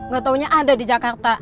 gatau nya ada di jakarta